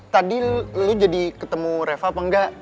tadi lu jadi ketemu reva apa enggak